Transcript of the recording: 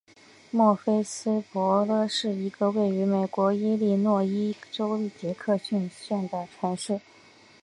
莫菲斯伯勒是一个位于美国伊利诺伊州杰克逊县的城市。